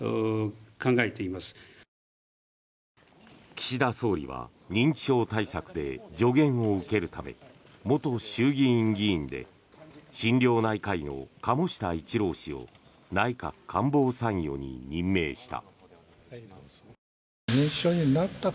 岸田総理は、認知症対策で助言を受けるため元衆議院議員で心療内科医の鴨下一郎氏を内閣官房参与に任命した。